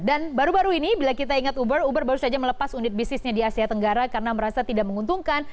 baru baru ini bila kita ingat uber uber baru saja melepas unit bisnisnya di asia tenggara karena merasa tidak menguntungkan